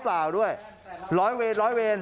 คุณตำรวจจับผมหน่อยผมสูบกัญชามา